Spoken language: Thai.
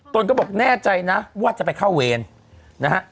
ตนก็บอกแน่ใจนะว่าจะไปเข้าเวรนะฮะ